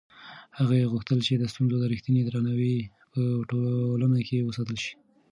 هغې غوښتل چې د سنتو رښتینی درناوی په ټولنه کې وساتل شي.